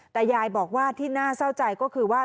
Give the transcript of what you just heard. แต่ยายบอกว่าที่น่าเศร้าใจก็คือว่า